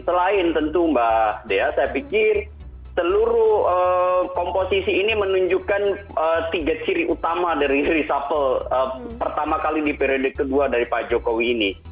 selain tentu mbak dea saya pikir seluruh komposisi ini menunjukkan tiga ciri utama dari risapel pertama kali di periode kedua dari pak jokowi ini